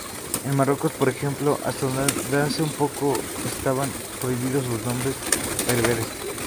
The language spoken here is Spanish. En Marruecos, por ejemplo, hasta hace muy poco estaban prohibidos los nombres bereberes.